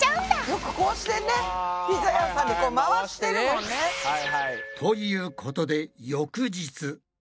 よくこうしてねピザ屋さんでこう回してるもんね。ということで翌日。